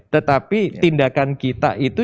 tetapi tindakan kita itu